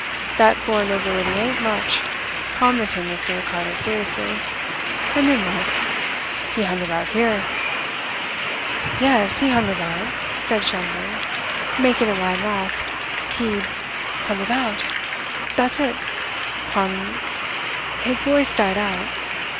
That foreign nobility ain't much," commented Mr. Ricardo seriously. "And then what? He hung about here!" "Yes, he hung about," said Schomberg, making a wry mouth. "He hung about. That's it. Hung " His voice died out.